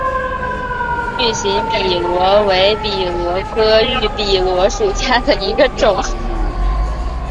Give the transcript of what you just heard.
芋形笔螺为笔螺科芋笔螺属下的一个种。